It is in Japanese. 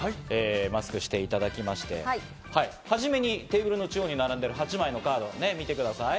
マスクをしていただきまして、はじめにテーブルの中央に並んでる８枚のカードを見てください。